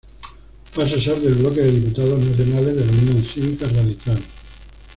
Fue asesor del bloque de diputados nacionales de la Unión Cívica Radical.